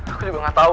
aku juga nggak tau